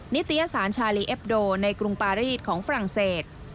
ิตยสารชาลีเอ็บโดในกรุงปารีสของฝรั่งเศส